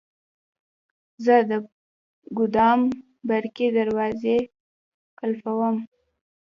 زه د ګودام برقي دروازې قلفووم.